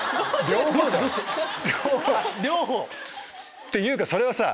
っていうかそれはさ